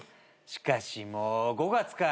しかしもう５月か。